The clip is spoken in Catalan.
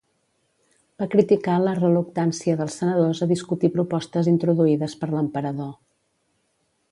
Va criticar la reluctància dels senadors a discutir propostes introduïdes per l'emperador.